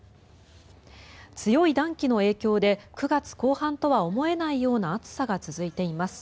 強い暖気の影響で９月後半とは思えないような暑さが続いています。